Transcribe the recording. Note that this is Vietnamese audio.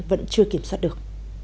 vẫn chưa kiểm soát được